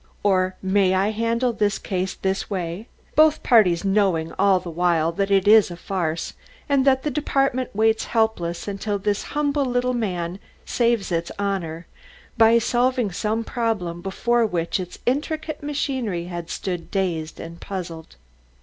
... or may I handle this case this way?" both parties knowing all the while that it is a farce, and that the department waits helpless until this humble little man saves its honour by solving some problem before which its intricate machinery has stood dazed and puzzled.